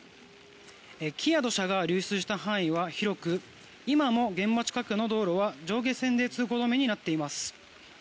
木や土砂が流出した範囲は広く今も現場近くの道路は上下線で通行止めになっています。